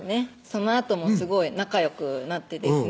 そのあともすごい仲よくなってですね